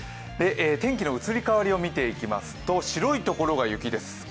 天気の移り変わりを見ていきますと、白い所が雪です。